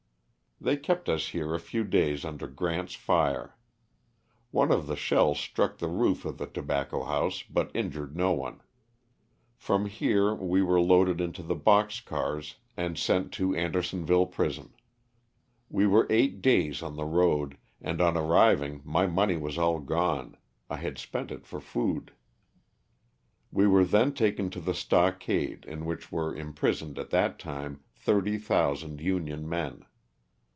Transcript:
They kept us here a few days under G rant's fire. One of his shells struck the roof of the tobacco house, but injured no one. From here we were loaded into box cars a nd sent to 43 338 LOSS OF THE SULTANA. Andersonville prison. We were eight days on the road, and on arriving my money was all gone— I had spent it for food. We were then taken to the stockade in which were imprisoned at that time thirty thousand Union men.